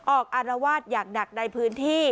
อารวาสอย่างหนักในพื้นที่